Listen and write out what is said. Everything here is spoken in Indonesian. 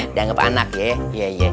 dianggap anak ya